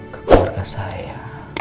ke keluarga saya